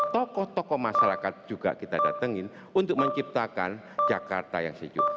tokoh tokoh masyarakat juga kita datangin untuk menciptakan jakarta yang sejuk